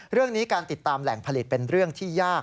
เรื่องนี้การติดตามแหล่งผลิตเป็นเรื่องที่ยาก